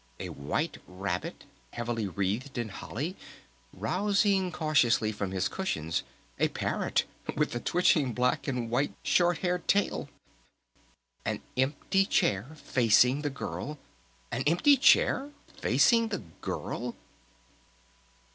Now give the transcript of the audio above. A White Rabbit heavily wreathed in holly rousing cautiously from his cushions!... A Parrot with a twitching black and white short haired tail!... An empty chair facing the Girl! _An empty chair facing the Girl.